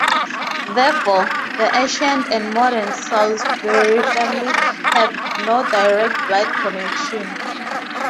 Therefore, the ancient and modern Salusbury family have no direct blood connection.